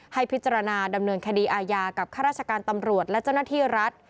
ให้พิจารณาดำเนินคดีอาญากับข้าราชการตำรวจและเจ้าหน้าที่รัฐ